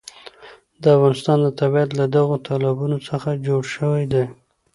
د افغانستان طبیعت له دغو تالابونو څخه جوړ شوی دی.